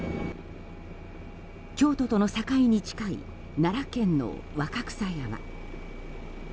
京都との境に近い奈良県の若草山。